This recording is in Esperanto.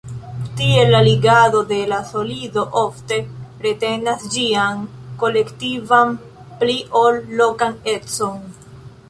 Tiel, la ligado en la solido ofte retenas ĝian kolektivan pli ol lokan econ.